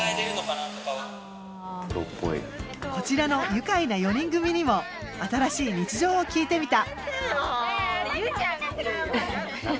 こちらの愉快な４人組にも新しい日常を聞いてみた。